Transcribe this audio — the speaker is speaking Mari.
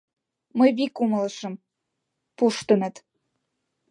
Мый вик умылышым: пуштыныт.